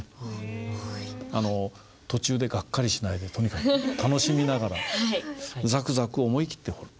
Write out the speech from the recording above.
途中でがっかりしないでとにかく楽しみながらザクザク思い切って彫る。